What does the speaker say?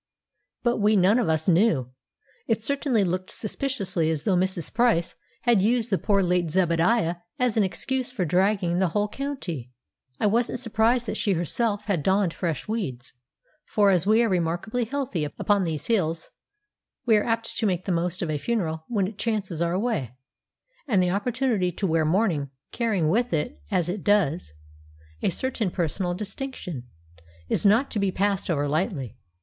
But we none of us knew. It certainly looked suspiciously as though Mrs. Price had used the poor late Zebadiah as an excuse for dragging the whole county! I wasn't surprised that she herself had donned fresh weeds, for as we are remarkably healthy upon these hills, we are apt to make the most of a funeral when it chances our way, and the opportunity to wear mourning, carrying with it, as it does, a certain personal distinction, is not to be passed over lightly.